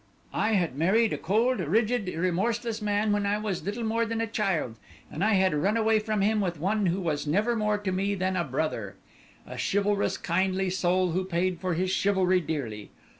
I had married a cold, rigid and remorseless man when I was little more than a child, and I had run away from him with one who was never more to me than a brother. A chivalrous, kindly soul who paid for his chivalry dearly.